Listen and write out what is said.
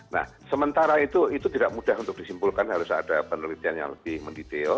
nah sementara itu itu tidak mudah untuk disimpulkan harus ada penelitian yang lebih mendetail